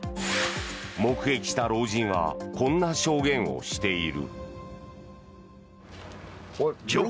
目撃した老人はこんな証言をしている。